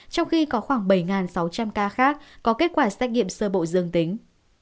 trong khi có khoảng bảy sáu trăm linh ca khác có kết quả xét nghiệm sơ bộ dương tính